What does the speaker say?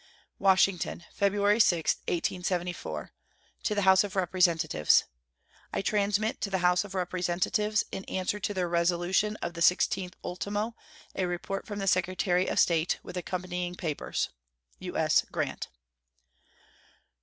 WASHINGTON, February 6, 1874. To the House of Representatives: I transmit to the House of Representatives, in answer to their resolution of the 16th ultimo, a report from the Secretary of State, with accompanying papers. U.S. GRANT.